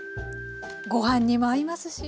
ご飯にも合いますし。